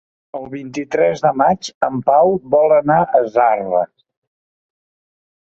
El vint-i-tres de maig en Pau vol anar a Zarra.